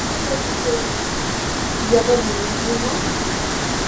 La bacteria degrada urea, generando ion amonio que aumenta el pH del entorno.